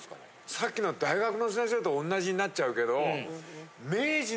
さっきの大学の先生と同じになっちゃうけど。